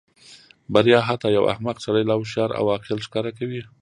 بریا حتی یو احمق سړی لا هوښیار او عاقل ښکاره کوي.